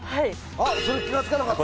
あっそれ気がつかなかった。